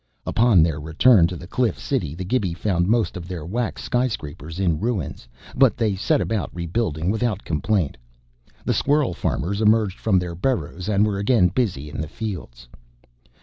Upon their return to the cliff city, the Gibi found most of their wax skyscrapers in ruins, but they set about rebuilding without complaint. The squirrel farmers emerged from their burrows and were again busy in the fields.